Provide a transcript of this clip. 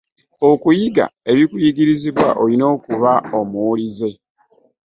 Okuyiga ebikuyigirizibwa oyina kuba muwulize.